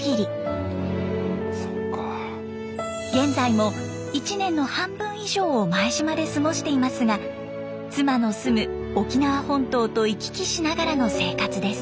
現在も１年の半分以上を前島で過ごしていますが妻の住む沖縄本島と行き来しながらの生活です。